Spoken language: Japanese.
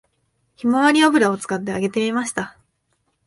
ひまわり油を使って揚げてみました